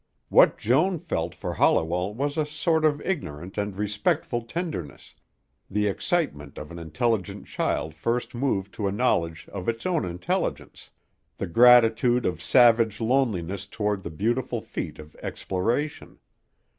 What Joan felt for Holliwell was a sort of ignorant and respectful tenderness, the excitement of an intelligent child first moved to a knowledge of its own intelligence; the gratitude of savage loneliness toward the beautiful feet of exploration.